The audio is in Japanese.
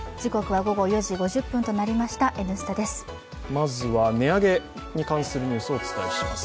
まずは値上げに関するニュースをお伝えします。